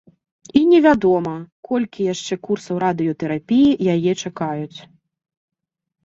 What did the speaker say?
І невядома, колькі яшчэ курсаў радыетэрапіі яе чакаюць.